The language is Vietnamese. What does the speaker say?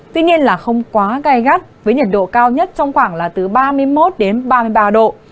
tuy nhiên là không quá gai gắt với nhiệt độ cao nhất trong khoảng là từ ba mươi một đến ba mươi ba độ